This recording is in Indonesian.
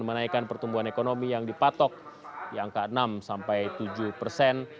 menaikkan pertumbuhan ekonomi yang dipatok di angka enam sampai tujuh persen